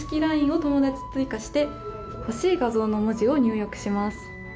ＬＩＮＥを友達追加して欲しい画像の文字を入力します。